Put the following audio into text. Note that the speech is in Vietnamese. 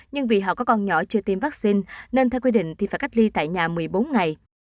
nhưng vì họ có con nhỏ chưa tiêm vaccine nên theo quy định thì phải cách ly tại nhà một mươi bốn ngày